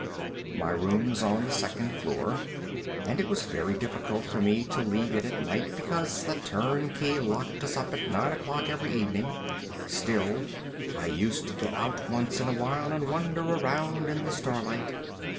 My room was on the second floor, and it was very difficult for me to leave it at night, because the turnkey locked us up at 9 o'clock every evening. Still, I used to get out once in a while and wander around in the starlight.